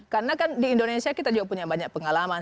karena kan di indonesia kita juga punya banyak pengalaman